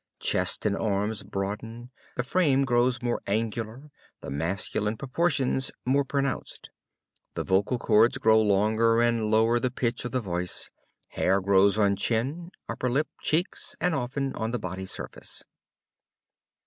Chest and arms broaden, the frame grows more angular, the masculine proportions more pronounced. The vocal cords grow longer and lower the pitch of the voice. Hair grows on chin, upper lip, cheeks, and often on the body surface.